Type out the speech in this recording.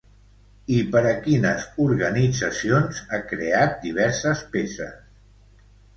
I per a quines organitzacions ha creat diverses peces?